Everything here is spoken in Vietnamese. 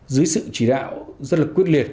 dưới sự chỉ đạo rất là quyết liệt